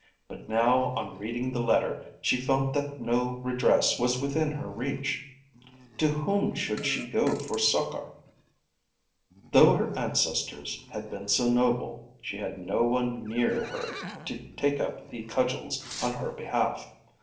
But now on reading the letter she felt that no redress was within her reach. To whom should she go for succour? Though her ancestors had been so noble, she had no one near her to take up the cudgels on her behalf.